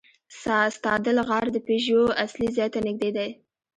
ستادل غار د پيژو اصلي ځای ته نږدې دی.